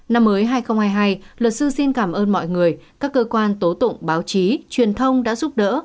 năm mới hai nghìn hai mươi hai luật sư xin cảm ơn mọi người các cơ quan tố tụng báo chí truyền thông đã giúp đỡ